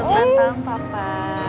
selamat datang papa